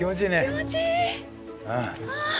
気持ちいい！